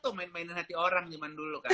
tuh main mainin hati orang zaman dulu kan